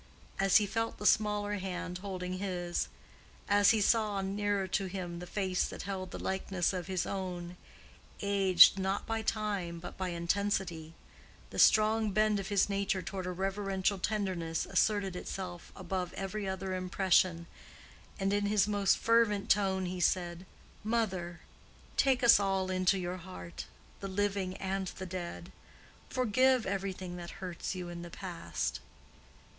As he felt the smaller hand holding his, as he saw nearer to him the face that held the likeness of his own, aged not by time but by intensity, the strong bent of his nature toward a reverential tenderness asserted itself above every other impression and in his most fervent tone he said, "Mother! take us all into your heart—the living and the dead. Forgive every thing that hurts you in the past.